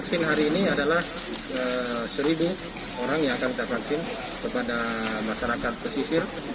ini adalah seribu orang yang akan divaksin kepada masyarakat pesisir